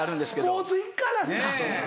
スポーツ一家なんだ。